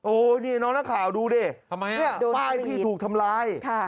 โอ้นี่น้องนักข่าวดูดิทำไมเนี่ยป้ายพี่ถูกทำร้ายค่ะ